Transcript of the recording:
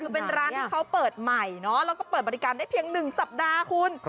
เป้นร้านที่เขาเปิดใหม่เนาะเราก็เปิดบริการได้เพียงหนึ่งสัปดาห์คุณ